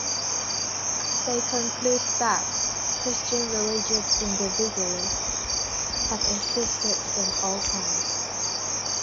They conclude that Christian religious individualists have existed in all times.